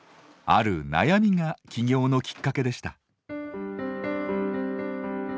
ある悩みが起業のきっかけでした。